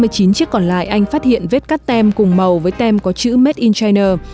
hai mươi chín chiếc còn lại anh phát hiện vết cắt tem cùng màu với tem có chữ made in china